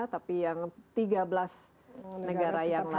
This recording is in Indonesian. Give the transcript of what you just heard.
tapi yang tiga belas negara yang lain itu tidak apa apa